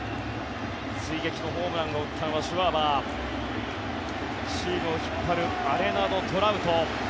追撃のホームランをシュワバーチームを引っ張るアレナド、トラウト。